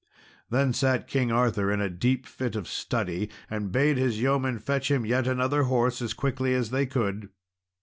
Then sat King Arthur in a deep fit of study, and bade his yeomen fetch him yet another horse as quickly as they could.